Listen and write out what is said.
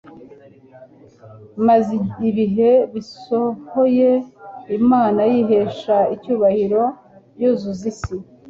Maze ibihe bisohoye Imana yihesha icyubahiro yuzuza isi